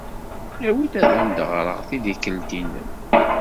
Awi-d ad am-d-ɣreɣ tidikelt-nnem.